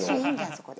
そこで。